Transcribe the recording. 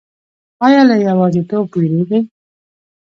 ایا له یوازیتوب ویریږئ؟